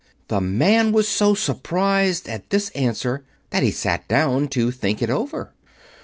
The man was so surprised at this answer that he sat down to think it over.